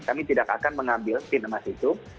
kami tidak akan mengambil pin emas itu